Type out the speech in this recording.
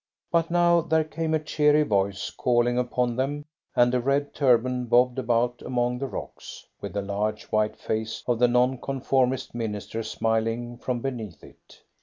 But now there came a cheery voice calling upon them, and a red turban bobbed about among the rocks, with the large white face of the Nonconformist minister smiling from beneath it.